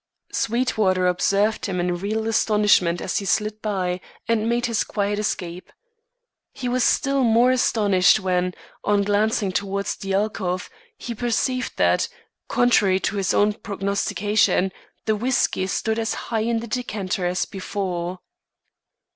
Sweetwater observed him in real astonishment as he slid by and made his quiet escape. He was still more astonished when, on glancing towards the alcove, he perceived that, contrary to his own prognostication, the whiskey stood as high in the decanter as before.